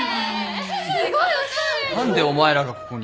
何でお前らがここに。